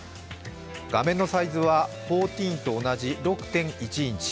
画面のサイズは１４と同じ６．１インチ。